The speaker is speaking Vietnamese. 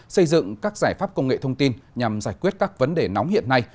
xây dựng các giải pháp công nghệ thông tin nhằm giải quyết các vấn đề nóng hiện nay